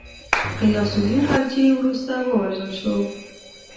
غیاث االدین خلجي وروسته ووژل شو.